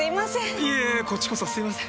いえいえこっちこそすいません。